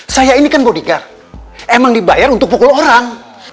saya ini kan bodyguard emang dibayar untuk pukul orang